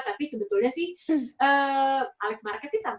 tapi sebetulnya sih alex marquez sih santai santai aja dipindahin ke lcr